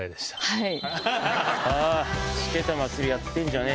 はい。